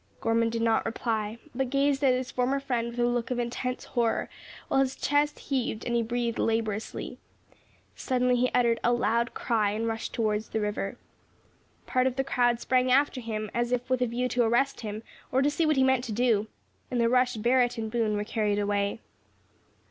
Gorman did not reply, but gazed at his former friend with a look of intense horror, while his chest heaved and he breathed laboriously. Suddenly he uttered a loud cry and rushed towards the river. Part of the crowd sprang after him, as if with a view to arrest him, or to see what he meant to do. In the rush Barret and Boone were carried away.